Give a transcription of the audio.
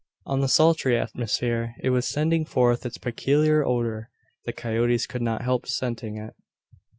On the sultry atmosphere it was sending forth its peculiar odour. The coyotes could not help scenting it.